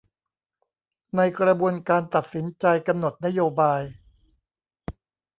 ในกระบวนการตัดสินใจกำหนดนโยบาย